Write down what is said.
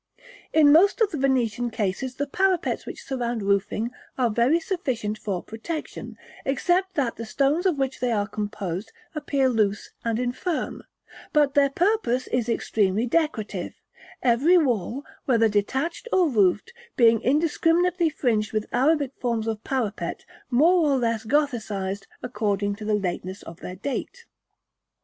In most of the Venetian cases the parapets which surround roofing are very sufficient for protection, except that the stones of which they are composed appear loose and infirm: but their purpose is entirely decorative; every wall, whether detached or roofed, being indiscriminately fringed with Arabic forms of parapet, more or less Gothicised, according to the lateness of their date.